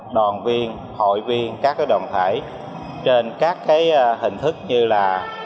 đoàn viên hội viên các đoàn thể trên các hình thức như là